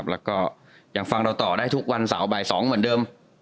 แล้วก็ยังฟังเราต่อได้ทุกวันเสาร์บ่าย๒เหมือนเดิม